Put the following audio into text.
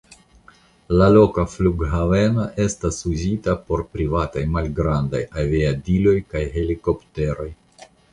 La loka flughaveno estas uzita por privataj malgrandaj aviadiloj kaj helikopteroj.